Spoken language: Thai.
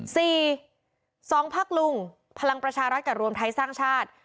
สองพักลุงพลังประชารัฐกับรวมไทยสร้างชาติ